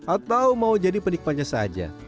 atau mau jadi penikmatnya saja